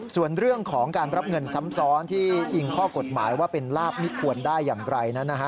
ส่วนเรื่องของการรับเงินซ้ำซ้อนที่อิงข้อกฎหมายว่าเป็นลาบมิดควรได้อย่างไรนั้นนะฮะ